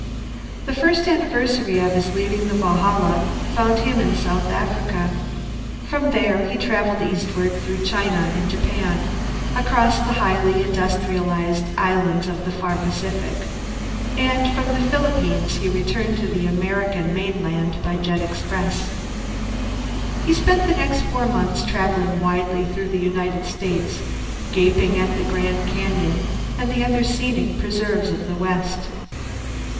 The first anniversary of his leaving the Valhalla found him in South Africa; from there he travelled eastward through China and Japan, across the highly industrialized islands of the Far Pacific, and from the Philippines he returned to the American mainland by jet express. He spent the next four months travelling widely through the United States, gaping at the Grand Canyon and the other scenic preserves of the west.